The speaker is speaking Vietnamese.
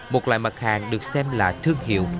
một loại mặt hàng được xem là thương hiệu